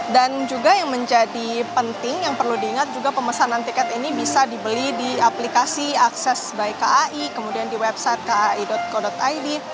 dan juga yang menjadi penting yang perlu diingat juga pemesanan tiket ini bisa dibeli di aplikasi akses by kai kemudian di website kai co id